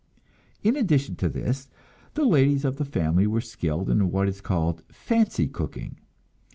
In addition to this, the ladies of the family were skilled in what is called "fancy cooking."